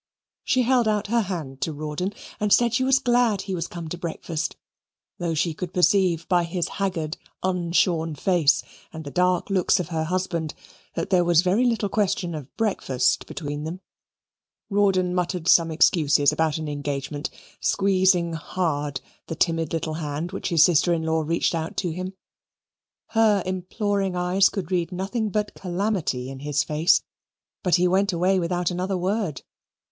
She held out her hand to Rawdon and said she was glad he was come to breakfast, though she could perceive, by his haggard unshorn face and the dark looks of her husband, that there was very little question of breakfast between them. Rawdon muttered some excuses about an engagement, squeezing hard the timid little hand which his sister in law reached out to him. Her imploring eyes could read nothing but calamity in his face, but he went away without another word.